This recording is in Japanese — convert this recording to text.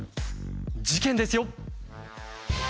事件ですよ。